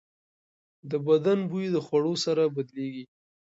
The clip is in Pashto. د بدن بوی د خوړو سره بدلېږي.